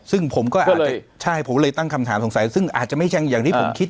ซึ่งผมก็อาจจะใช่ผมเลยตั้งคำถามสงสัยซึ่งอาจจะไม่ใช่อย่างที่ผมคิด